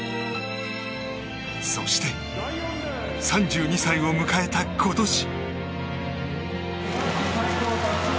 そして、３２歳を迎えた今年。